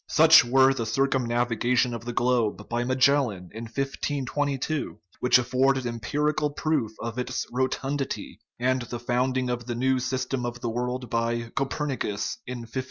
Such were the circumnaviga tion of the globe by Magellan in 1522, which afforded empirical proof of its rotundity, and the founding of the new system of the world by Copernicus in 1543.